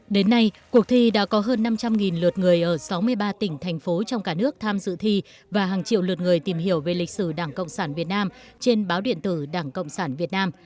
đến nay cuộc thi đã có hơn năm trăm linh lượt người ở sáu mươi ba tỉnh thành phố trong cả nước tham dự thi và hàng triệu lượt người tìm hiểu về lịch sử đảng cộng sản việt nam trên báo điện tử đảng cộng sản việt nam